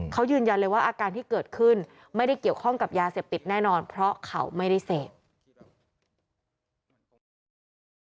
เขายืนยันเลยว่าอาการที่เกิดขึ้นไม่ได้เกี่ยวข้องกับยาเสพติดแน่นอนเพราะเขาไม่ได้เสพ